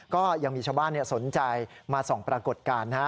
ก็ยังมีชาวบ้านสนใจมาส่องปรากฏการณ์